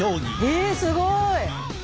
えすごい。